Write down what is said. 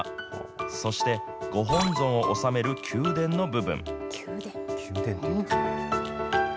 そして、ご本尊を納める宮殿の部分。